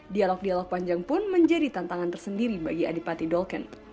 dialog dialog panjang pun menjadi tantangan tersendiri bagi adipati dolken